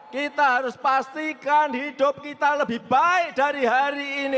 kita harus pastikan hidup kita lebih baik dari hari ini